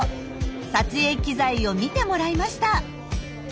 撮影機材を見てもらいました。